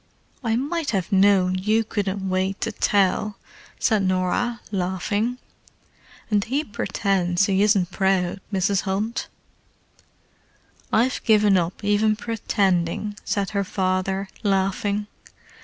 "I might have known you couldn't wait to tell," said Norah, laughing. "And he pretends he isn't proud, Mrs. Hunt!" "I've given up even pretending," said her father, laughing.